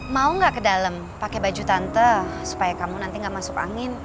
mau nggak ke dalam pakai baju tante supaya kamu nanti nggak masuk angin